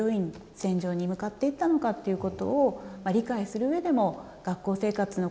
戦場に向かって行ったのかっていうことを理解する上でも学校生活のことは欠かせない。